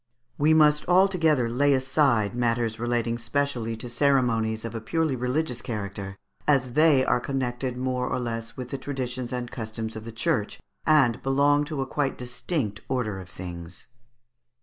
We must altogether lay aside matters relating specially to ceremonies of a purely religions character, as they are connected more or less with the traditions and customs of the Church, and belong to quite a distinct order of things.